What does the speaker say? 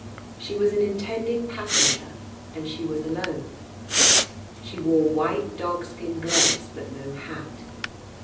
She was an intending passenger, and she was alone. She wore white dog skin gloves, but no hat.